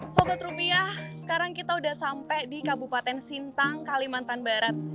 sobat rupiah sekarang kita sudah sampai di kabupaten sintang kalimantan barat